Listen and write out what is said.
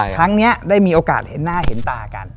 ครั้งนี้ได้มีโอกาสเห็นหน้าเห็นตากัน